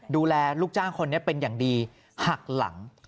ลูกจ้างคนนี้เป็นอย่างดีหักหลัง